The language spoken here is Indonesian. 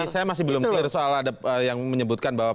saya masih belum clear soal ada yang menyebutkan bahwa